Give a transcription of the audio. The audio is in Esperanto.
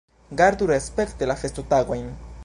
Gardu respekte la festotagojn.